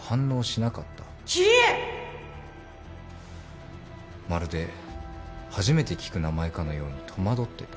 まるで初めて聞く名前かのように戸惑ってた。